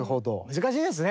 難しいですね。